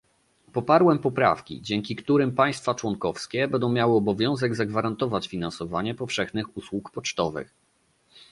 Poparłem poprawki, dzięki którym państwa członkowskie będą miały obowiązek zagwarantować finansowanie powszechnych usług pocztowych